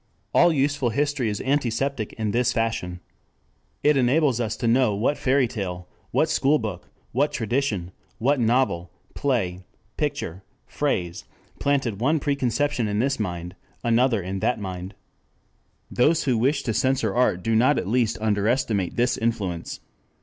All useful history is antiseptic in this fashion. It enables us to know what fairy tale, what school book, what tradition, what novel, play, picture, phrase, planted one preconception in this mind, another in that mind. 4 Those who wish to censor art do not at least underestimate this influence.